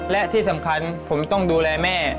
และที่สำคัญผมต้องดูแลแม่